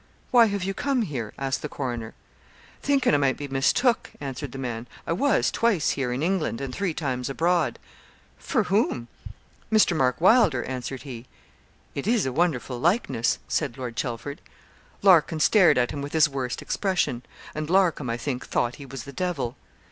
'Why have you come here?' asked the coroner. 'Thinkin' I might be mistook,' answered the man. 'I was twice here in England, and three times abroad.' 'For whom?' 'Mr. Mark Wylder,' answered he. 'It is a wonderful likeness,' said Lord Chelford. Larkin stared at him with his worst expression; and Larcom, I think, thought he was the devil.